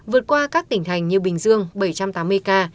vượt qua các tỉnh thành như bình dương bảy trăm tám mươi ca